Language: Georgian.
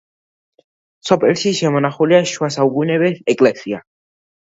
სოფელში შემონახულია შუა საუკუნეების ეკლესია.